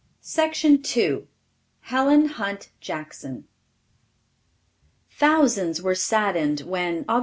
[Illustration: HELEN HUNT JACKSON.] Thousands were saddened when, Aug.